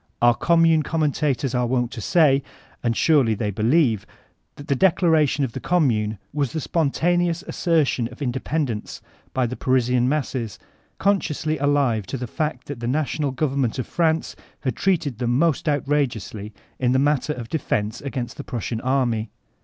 Our Commune commemorators are wont to say, and surely they believe, that the declaration of ^he Commune was the spontaneous assertion of independence by the Parisian masses, consciously alive to the fact that the na tional government of France had treated them most 244 VOLTAXSINE DB ClEYSB outrageously in the matter of defense against the Prus* sian army.